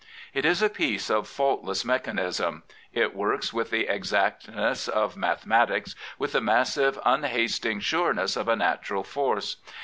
It is a piece of faultless mechanism. It works with the exactness of mathematics, with the massive, unhasting sureness of a natural force.